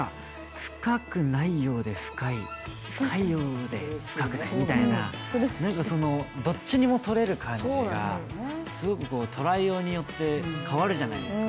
深いようで深くないみたいな、どっちにも取れる感じが、すごく捉えようによって変わるじゃないですか。